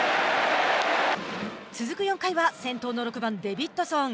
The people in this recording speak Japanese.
続く４回は、先頭の６番デビッドソン。